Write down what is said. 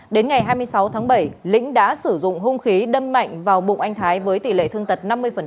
đến ngày hai mươi sáu tháng bảy lĩnh đã sử dụng hung khí đâm mạnh vào bụng anh thái với tỷ lệ thương tật năm mươi